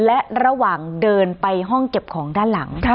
และระหว่างเดินไปห้องเก็บของด้านหลัง